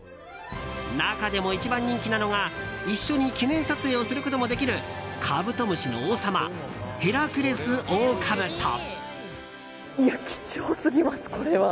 中でも一番人気なのが、一緒に記念撮影をすることもできるカブトムシの王様ヘラクレスオオカブト。